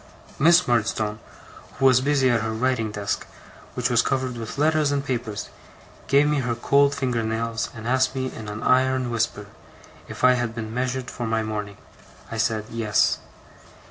Miss Murdstone, who was busy at her writing desk, which was covered with letters and papers, gave me her cold finger nails, and asked me, in an iron whisper, if I had been measured for my mourning. I said: 'Yes.